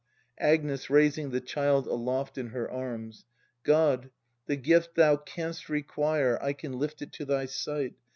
Agnes. [Raising the child aloft in her arms.] God! The gift Thou canst require I can lift it to thy sight!